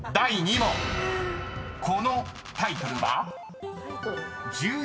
［このタイトルは？］